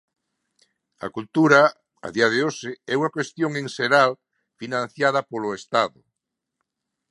A cultura a día de hoxe é unha cuestión en xeral financiada polo Estado.